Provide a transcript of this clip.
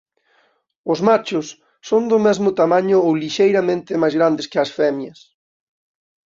Os machos son do mesmo tamaño ou lixeiramente máis grandes que as femias.